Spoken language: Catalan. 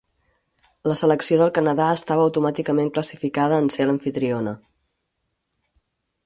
La selecció del Canadà estava automàticament classificada en ser l'amfitriona.